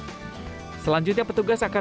selanjutnya petugasnya akan membuat perpustakaan